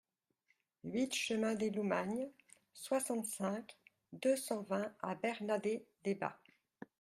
huit chemin des Loumagnes, soixante-cinq, deux cent vingt à Bernadets-Debat